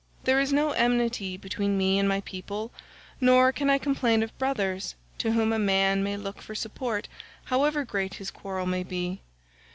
There is no enmity between me and my people, nor can I complain of brothers, to whom a man may look for support however great his quarrel may be.